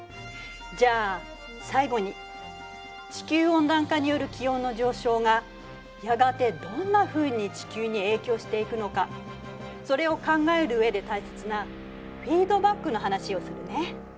じゃあ最後に地球温暖化による気温の上昇がやがてどんなふうに地球に影響していくのかそれを考える上で大切なフィードバックの話をするね。